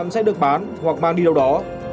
các xe vi phạm sẽ được bán hoặc mang đi đâu đó